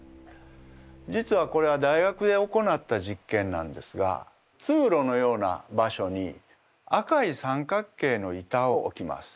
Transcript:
実はこれは大学で行った実験なんですが通路のような場所に赤い三角形の板を置きます。